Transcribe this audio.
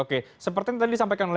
oke seperti yang tadi disampaikan oleh